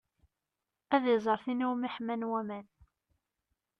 Ad iẓer tin iwumi ḥman waman.